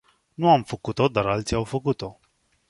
Nu am făcut-o, dar alții au făcut-o.